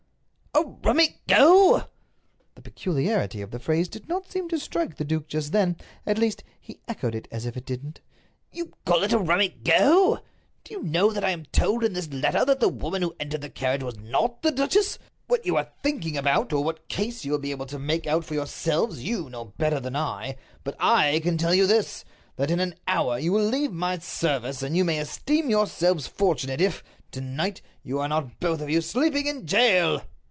"A rummy go!" The peculiarity of the phrase did not seem to strike the duke just then—at least, he echoed it as if it didn't. "You call it a rummy go! Do you know that I am told in this letter that the woman who entered the carriage was not the duchess? What you were thinking about, or what case you will be able to make out for yourselves, you know better than I; but I can tell you this—that in an hour you will leave my service, and you may esteem yourselves fortunate if, to night, you are not both of you sleeping in jail."